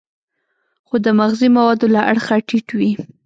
خو د مغذي موادو له اړخه ټیټ وي.